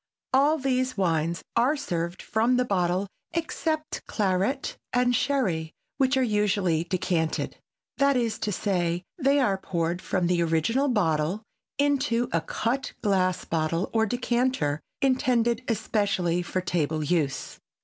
All these wines are served from the bottle except claret and sherry, which are usually decanted, that is to say, they are poured from the original bottle into a cut glass bottle or decanter intended especially for table use.